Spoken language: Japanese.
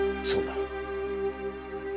そうだ。